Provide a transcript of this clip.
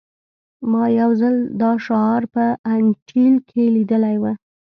ما یو ځل دا شعار په انټیل کې لیدلی و